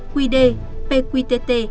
quy đề pqtt